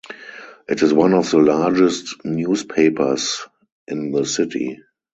It is one of the largest newspapers in the city.